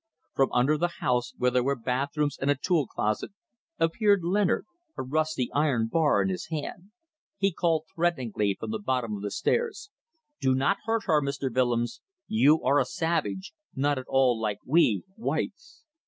From under the house, where there were bathrooms and a tool closet, appeared Leonard, a rusty iron bar in his hand. He called threateningly from the bottom of the stairs. "Do not hurt her, Mr. Willems. You are a savage. Not at all like we, whites."